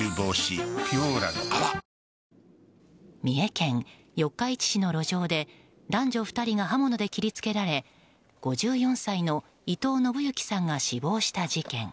三重県四日市の路上で男女２人が刃物で切り付けられ５４歳の伊藤信幸さんが死亡した事件。